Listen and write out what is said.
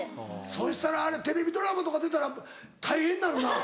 そしたらテレビドラマとか出たら大変だろうな。